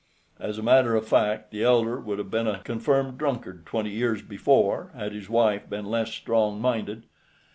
As a matter of fact, the elder would have been a confirmed drunkard twenty years before had his wife been less strong minded.